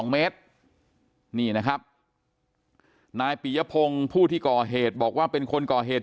๒เมตรนี่นะครับนายปียพงศ์ผู้ที่ก่อเหตุบอกว่าเป็นคนก่อเหตุ